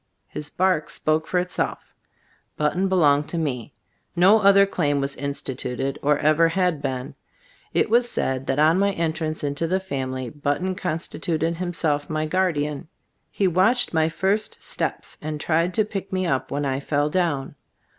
His bark spoke for itself. Button belonged to me. No other claim was instituted, or ever had been. It was said that on my entrance into the family, But ton constituted himself my guardian. He watched my first steps and tried to pick me up when I fell down.